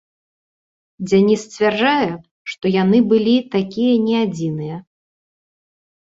Дзяніс сцвярджае, што яны былі такія не адзіныя.